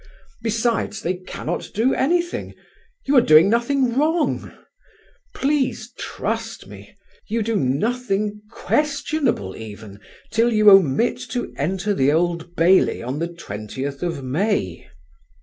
Besides they cannot do anything; you are doing nothing wrong. Please trust me, you do nothing questionable even till you omit to enter the Old Bailey on the 20th of May."